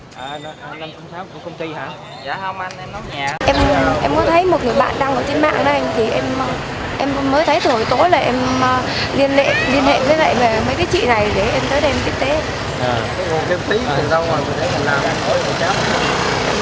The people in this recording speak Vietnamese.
em có thấy một người bạn đang ở trên mạng này thì em mới thấy tuổi tối là em liên hệ với lại mấy cái chị này để em tới đây tiếp tế